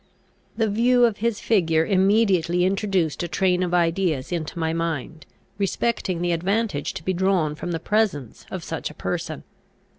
The view of his figure immediately introduced a train of ideas into my mind, respecting the advantage to be drawn from the presence of such a person.